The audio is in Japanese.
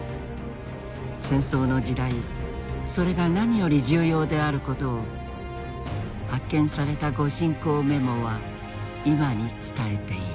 戦争の時代それが何より重要であることを発見された御進講メモは今に伝えている。